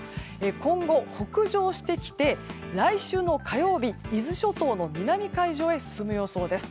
今後、北上してきて来週の火曜日伊豆諸島の南海上へ進む予想です。